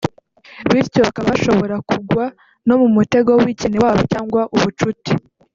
bityo bakaba bashobora kugwa no mu mutego w’icyenewabo cyangwa ubucuti